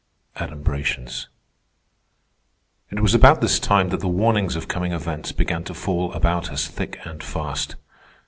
ADUMBRATIONS It was about this time that the warnings of coming events began to fall about us thick and fast.